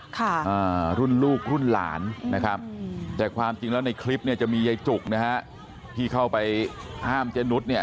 ค่ะอ่ารุ่นลูกรุ่นหลานนะครับแต่ความจริงแล้วในคลิปเนี่ยจะมียายจุกนะฮะที่เข้าไปห้ามเจนุสเนี่ย